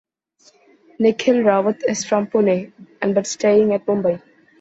Nikhil Raut is from Pune and but staying at Mumbai.